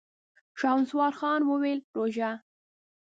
شهسوار خان وويل: روژه؟!